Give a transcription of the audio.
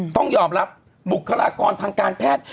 พี่เราหลุดมาไกลแล้วฝรั่งเศส